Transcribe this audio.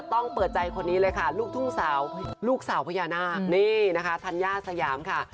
ต้องเปิดใจคนนี้เลยค่ะลูกทุ่งสาวลูกสาวพญานาคนี่นะคะธัญญาสยามค่ะ